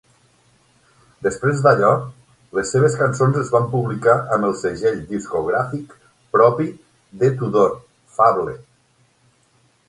Després d'allò, les seves cançons es van publicar amb el segell discogràfic propi de Tudor, "Fable".